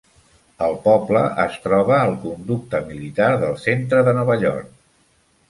El poble es troba al conducte militar del centre de Nova York.